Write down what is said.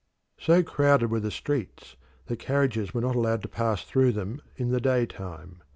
So crowded were the streets that carriages were not allowed to pass through them in the day time.